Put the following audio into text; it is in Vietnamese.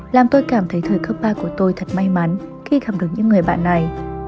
làm tôi cảm thấy thời cơ ba của tôi thật may mắn khi gặp được những người bạn này